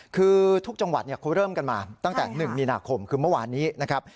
คือทุกจังหวัดเขาเริ่มกันมาตั้งแต่๑มีนาคมคือเมื่อวานนี้นะครับ